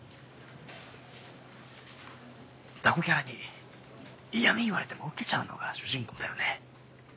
雑魚キャラに嫌み言われてもウケちゃうのが主人公だよね。